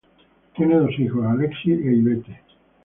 Tiene dos hijos, Alexi e Yvette.